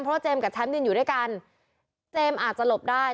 เพราะเจมส์กับแชมป์ยืนอยู่ด้วยกันเจมส์อาจจะหลบได้